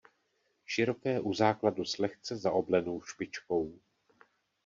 Široké u základu s lehce zaoblenou špičkou.